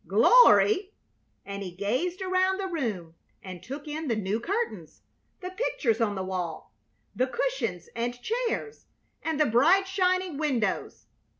"Glory?" And he gazed around the room and took in the new curtains, the pictures on the wall, the cushions and chairs, and the bright, shining windows.